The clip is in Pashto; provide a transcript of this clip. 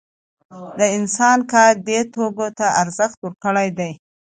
د انسان کار دې توکو ته ارزښت ورکړی دی